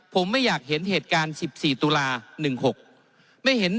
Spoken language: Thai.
ผมไม่อยากเห็นเหตุการณ์๑๔ตุลา๑๖ไม่เห็น